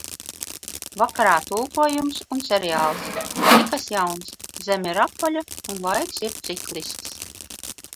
Vakarā tulkojums un seriāls. Nekas jauns. Zeme ir apaļa un laiks ir ciklisks.